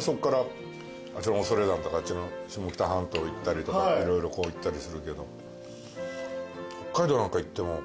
そっから恐山とか下北半島行ったりとか色々行ったりするけど北海道なんか行っても。